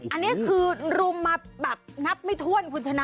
อันนี้คือรุมมาแบบนับไม่ถ้วนคุณชนะ